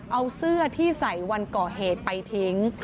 เอาเสื้อที่ใส่วันก่อเหตุไปทิ้ง